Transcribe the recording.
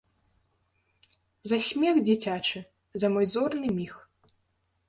За смех дзіцячы, за мой зорны міг.